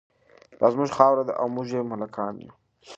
دا زموږ خاوره ده او موږ یې مالکان یو.